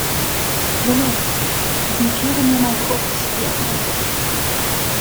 Moment, ich notiere mir mal kurz die Adresse.